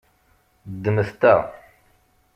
Ddmet ta.